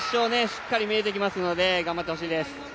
しっかり見えてきますので頑張ってほしいです。